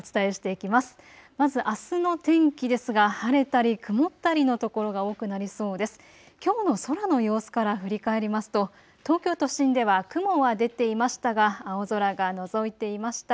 きょうの空の様子から振り返りますと東京都心では雲は出ていましたが青空がのぞいていました。